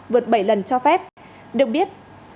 vượt bảy lần cho phép được biết